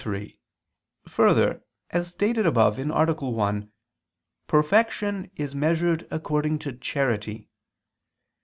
3: Further, as stated above (A. 1), perfection is measured according to charity.